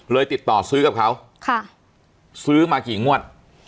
ติดต่อซื้อกับเขาซื้อมากี่งวด